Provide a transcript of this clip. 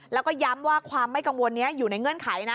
แล้วก็ย้ำว่าความไม่กังวลนี้อยู่ในเงื่อนไขนะ